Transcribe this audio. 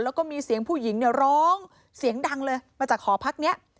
แล้วก็มีเสียงผู้หญิงเนี่ยร้องเสียงดังเลยมาจากหอพักนี้